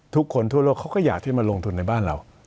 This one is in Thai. ทุกคนทั่วโลกเขาก็อยากให้มาลงทุนในบ้านเรา